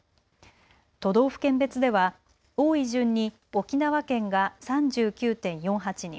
都道府県別では多い順に沖縄県が３９．４８人